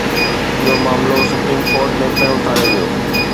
اهو معاملو supreme court ۾ پڻ اٿاريو ويو.